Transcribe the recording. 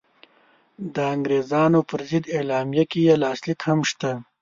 د انګرېزانو پر ضد اعلامیه کې یې لاسلیک هم شته.